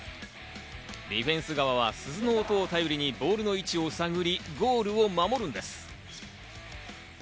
ディフェンス側が鈴の音を頼りに、ボールの位置を探り、ゴールを守るんです。